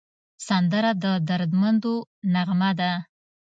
سندره د دردمندو نغمه ده